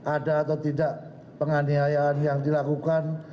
ada atau tidak penganiayaan yang dilakukan